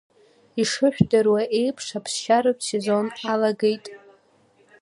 Ишышәдыруа еиԥш, аԥсшьаратә сезон алагеит.